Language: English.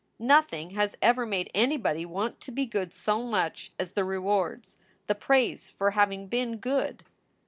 Nothing has ever made anybody want to be good so much as the rewards, the praise for having been good.